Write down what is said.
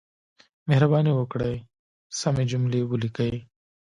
مهرباني وکړئ، سمې جملې وليکئ!